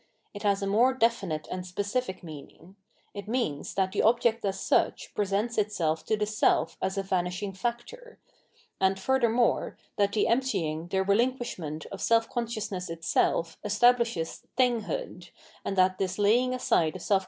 It has a more defimte and specific meaning: it means that the object as such presents itself to the self as a vanishing factor ; and, furthermore, that the emptying, the relinquish ment, of self consciousness itself establishes thing hood, and that this laying aside of self conscioitsness * v.